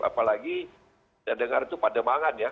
apalagi kita dengar itu pandemangan ya